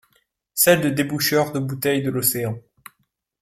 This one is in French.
Celle de déboucheur de bouteilles de l’océan.